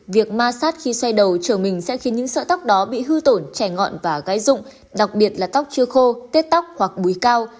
việc ma sát khi xoay đầu trở mình sẽ khiến những sợi tóc đó bị hư tổn chảy ngọn và gái rụng đặc biệt là tóc chưa khô tết tóc hoặc bùi cao